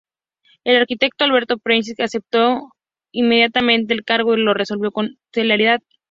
El arquitecto Alberto Prebisch, aceptó inmediatamente el encargo y lo resolvió con celeridad.